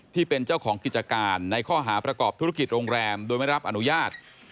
ที่เป็นเจ้าของกิจการในข้อหาประกอบธุรกิจโรงแรมโดยไม่รับอนุญาต